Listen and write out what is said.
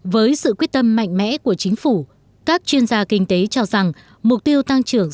với sự quyết tâm mạnh mẽ của chính phủ các chuyên gia kinh tế cho rằng mục tiêu tăng trưởng